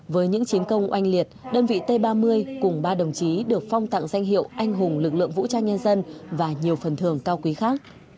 với những chiến công oanh liệt đơn vị t ba mươi cùng ba đồng chí được phong tặng danh hiệu anh hùng lực lượng vũ trang nhân dân và nhiều phần thường cao quý khác